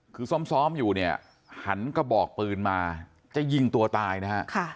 คือซ้อมอยู่เนี่ยหันกระบอกปืนมาจะยิงตัวตายนะฮะ